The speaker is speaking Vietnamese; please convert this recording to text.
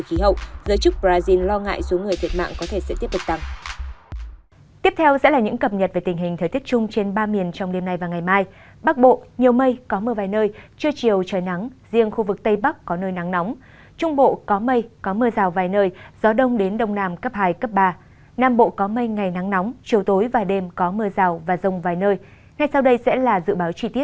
khu vực nam bộ có mây ngày nắng nóng chiều tối và đêm có mưa rào và rông vài nơi gió đông đến đông nam cấp hai cấp ba nhiệt độ cao nhất từ ba mươi hai ba mươi năm độ